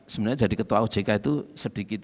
sebenarnya jadi ketua ojk itu sedikit